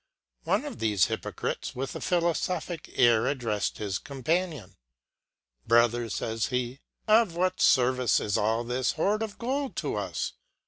One of thefe hypocrites, with a philofophic air addrefled his companion. Brother, fays he, of what fervice is all this hoard of gold to us